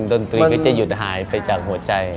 ดนตรีก็จะหยุดหายไปจากหัวใจ